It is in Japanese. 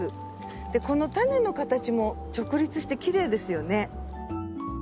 このタネの形も直立してきれいですよね。